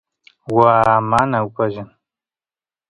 waa mana upallan